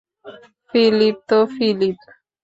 Philip, হো, Philip.